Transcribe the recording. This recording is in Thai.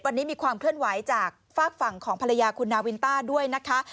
วันนี้มีความเคลื่อนไหวจากฝากฝั่งของภรรยาคุณนาวินต้าด้วยนะคะ